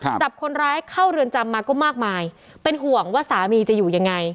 จับคนร้ายเข้าเรือนจำมาก็มากมายเป็นห่วงว่าสามีจะอยู่ยังไง